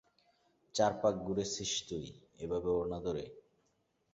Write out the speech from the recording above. চার পাক ঘুরেছিস তুই, এভাবে ওড়না ধরে?